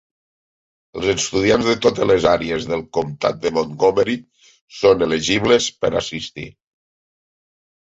Els estudiants de totes les àrees del Comtat de Montgomery són elegibles per assistir.